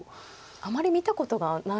あまり見たことがないですね。